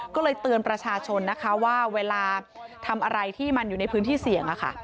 ก็เลยเตือนประชาชนนะคะว่าเวลาทำอะไรที่มันอยู่ในพื้นที่เสี่ยง